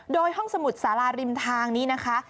โดยห้องสมุดสาราริมทางนี้นะคะ